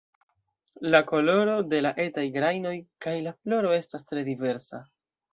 La koloro de la etaj grajnoj kaj la floro estas tre diversa.